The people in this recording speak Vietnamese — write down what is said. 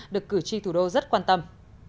được cử tri thủ đô rất quan tâm